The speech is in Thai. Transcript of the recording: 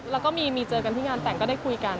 แล้วก็มีเจอกันที่งานแต่งก็ได้คุยกัน